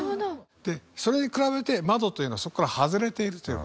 でそれに比べて窓というのはそこから外れているという事。